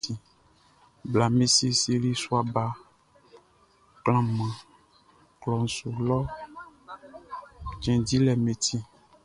Blaʼm be siesie sua baʼm be klanman klɔʼn su lɔ cɛn dilɛʼm be ti.